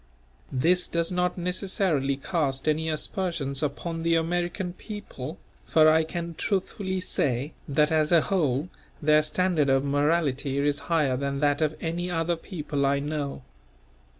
This does not necessarily cast any aspersion upon the American people; for I can truthfully say that as a whole their standard of morality is higher than that of any other people I know.